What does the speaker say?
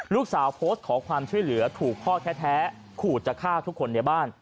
ลูกสาวโพสต์ขอความช่วยเหลือถูกพ่อแท้ขู่จะฆ่าทุกคนในบ้าน